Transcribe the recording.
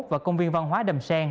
và công viên văn hóa đầm xen